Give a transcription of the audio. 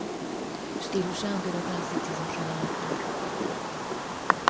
Stílusa a görög klasszicizmuson alapult.